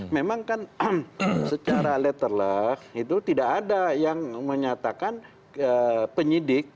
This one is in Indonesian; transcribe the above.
memang kan secara letter luck itu tidak ada yang menyatakan penyidik